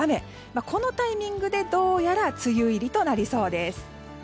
このタイミングでどうやら、梅雨入りとなりそうです。